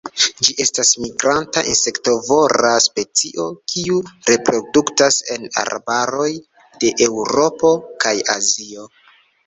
Ĝi estas migranta insektovora specio kiu reproduktas en arbaroj de Eŭropo kaj Azio.